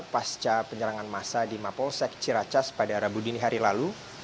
pasca penyerangan masa di mapolsek ciracas pada rabu dini hari lalu